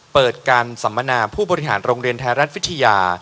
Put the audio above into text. เปิดการสัมมนาผู้บริหารโรงเรียนไทยรัฐวิทยา